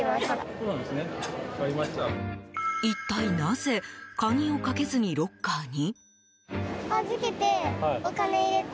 一体なぜ鍵をかけずにロッカーに？